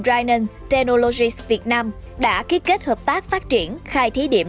rheinland technologies việt nam đã ký kết hợp tác phát triển khai thí điểm